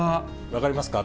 分かりますか？